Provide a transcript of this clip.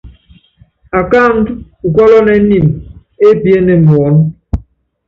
Akáandú ukɔ́lɔnɛ́ niimi, upíene muɔ́nɔ.